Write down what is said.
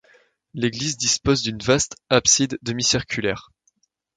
L'église dispose d'une vaste abside demi-circulaire.